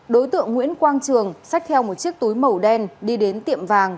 đối tượng nguyễn quang trường sách theo một chiếc túi màu đen đi đến tiệm vàng